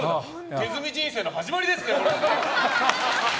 手積み人生の始まりですね！